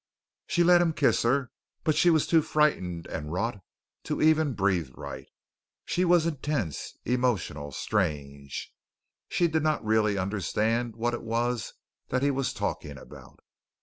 She let him kiss her, but she was too frightened and wrought to even breathe right. She was intense, emotional, strange. She did not really understand what it was that he was talking about.